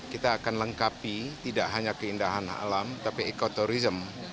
kita akan lengkapi tidak hanya keindahan alam tapi ekoturism